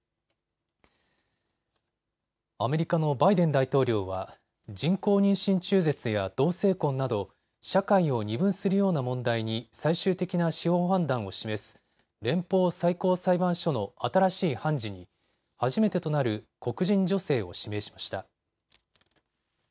アメリカのバイデン大統領は人工妊娠中絶や同性婚など社会を二分するような問題に最終的な司法判断を示す連邦最高裁判所の新しい判事に初めてとなる黒人女性を指名しました。